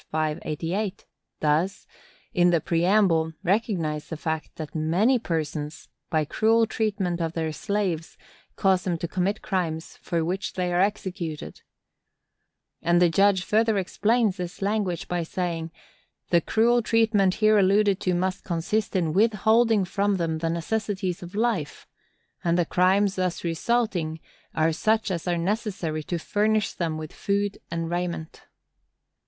588) does, in the preamble, recognize the fact, that many persons, by cruel treatment of their slaves, cause them to commit crimes for which they are executed;" and the judge further explains this language, by saying, "The cruel treatment here alluded to must consist in withholding from them the necessaries of life; and the crimes thus resulting are such as are necessary to furnish them with food and raiment."